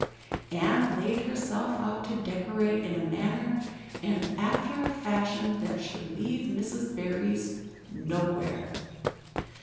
Anne laid herself out to decorate in a manner and after a fashion that should leave Mrs. Barry's nowhere.